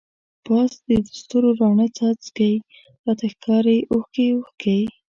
پاس دستورو راڼه څاڅکی، راته ښکاری اوښکی اوښکی